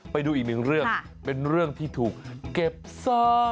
ไปดูอีกหนึ่งเรื่องเป็นเรื่องที่ถูกเก็บซอ